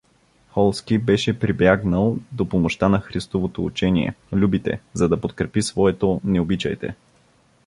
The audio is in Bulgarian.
Холски беше прибягнал до помощта на Христовото учение: „Любите!“,за да подкрепи своето: „Не обичайте!